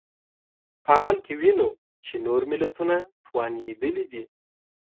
په عمل کې وینو چې نور ملتونه توانېدلي دي.